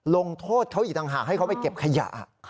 ลงโทษเขาอีกต่างหากให้เขาไปเก็บขยะ